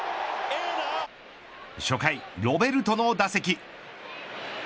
初回、ロベルトの打席。